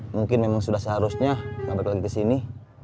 mungkin memang sudah seharusnya pabrik lagi ke sini